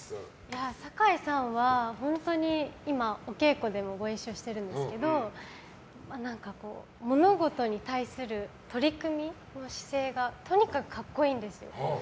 坂井さんは本当に今お稽古でもご一緒してるんですけど物事に対する取り組みの姿勢がとにかく格好いいんですよ。